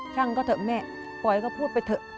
ช่างก็เถอะแม่ปล่อยก็พูดไปเถอะ